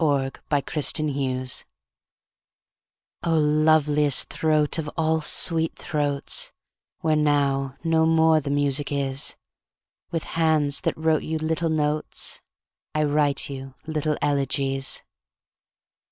[VASSAR COLLEGE, 1918] Oh, loveliest throat of all sweet throats, Where now no more the music is, With hands that wrote you little notes I write you little elegies!